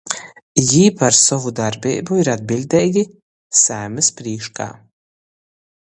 Jī par sovu darbeibu ir atbiļdeigi Saeimys prīškā.